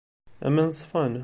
Aman ṣfan.